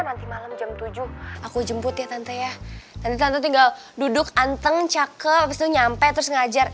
nanti malam jam tujuh aku jemput ya tante ya tante tante tinggal duduk anteng cakep abis itu nyampe terus ngajar